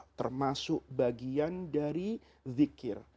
itu sudah termasuk bagian dari zikir